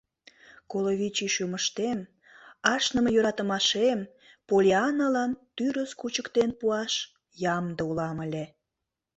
Коло вич ий шӱмыштем ашныме йӧратымашем Поллианналан тӱрыс кучыктен пуаш ямде улам ыле.